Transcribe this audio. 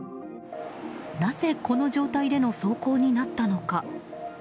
なぜこの状態での走行になったのか。